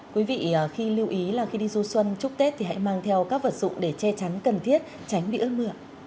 quý vị khi lưu ý là khi đi du xuân chúc tết thì hãy mang theo các vật dụng để che chắn cần thiết tránh bị ướt mưa